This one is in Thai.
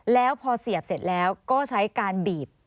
แล้วพอเสียบเสร็จแล้วก็ใช้การบีบ